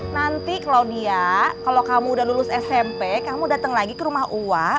nanti claudia kalau kamu udah lulus smp kamu dateng lagi ke rumah wak